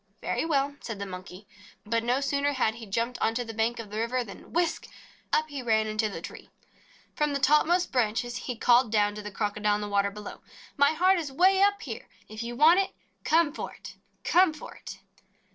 "Very well," said the Monkey. But no sooner had he jumped onto the bank of the river than whisk! up he ran into the tree. From the topmost branches he called down to the Crocodile in the water below: "My heart is way up here! If you want it, come for it, come for it